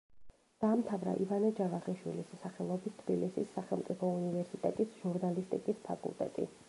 დაამთავრა ივანე ჯავახიშვილის სახელობის თბილისის სახელმწიფო უნივერსიტეტის ჟურნალისტიკის ფაკულტეტი.